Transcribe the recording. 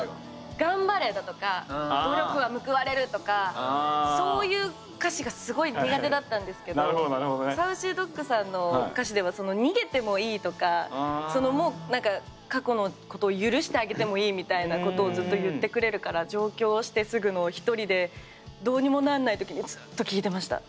頑張れだとか努力は報われるとかそういう歌詞がすごい苦手だったんですけどＳａｕｃｙＤｏｇさんの歌詞では逃げてもいいとかもう過去のことを許してあげてもいいみたいなことをずっと言ってくれるから上京してすぐの１人でどうにもなんない時にずっと聴いてました。